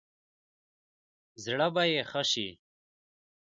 زړه به يې ښه شي.